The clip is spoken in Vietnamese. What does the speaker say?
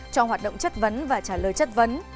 cho hoạt động chất vấn và trả lời chất vấn